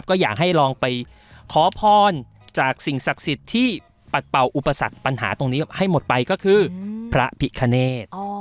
ก็อยากให้ลองไปขอพรจากสิ่งศักดิ์สิทธิ์ที่ปัดเป่าอุปสรรคปัญหาตรงนี้ให้หมดไปก็คือพระพิคเนธ